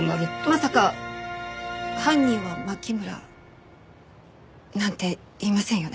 まさか犯人は牧村なんて言いませんよね？